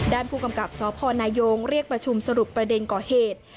ด้านผู้กำกับสพนายงเรียกประชุมสรุปประเด็นก่อเหตุ